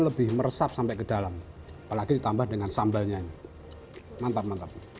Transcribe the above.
lebih meresap sampai ke dalam apalagi ditambah dengan sambalnya ini mantap mantap